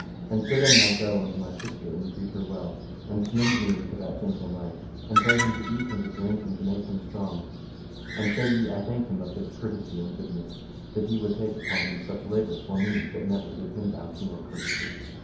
And sithen go thou unto my sister and greet her well, and commend me unto that gentle knight, and pray him to eat and to drink and make him strong, and say ye him I thank him of his courtesy and goodness, that he would take upon him such labour for me that never did him bounty nor courtesy.